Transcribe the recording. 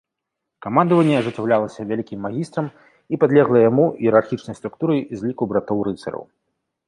Камандаванне ажыццяўлялася вялікім магістрам і падлеглай яму іерархічнай структурай з ліку братоў-рыцараў.